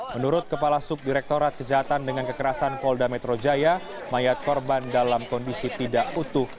menurut kepala subdirektorat kejahatan dengan kekerasan polda metro jaya mayat korban dalam kondisi tidak utuh